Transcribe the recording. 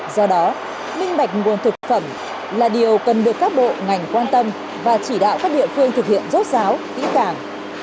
do đó minh bạch nguồn thực phẩm là điều cần được các bộ ngành quan tâm và chỉ đạo các địa phương thực hiện rốt ráo kỹ càng